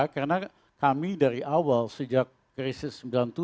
karena kami dari awal sejak krisis sembilan puluh tujuh